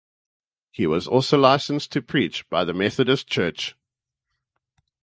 He was also licensed to preach by the Methodist church.